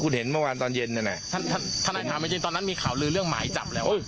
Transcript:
คุณเห็นเมื่อวานตอนเย็นนั่นน่ะท่านทนายถามจริงตอนนั้นมีข่าวลือเรื่องหมายจับแล้ว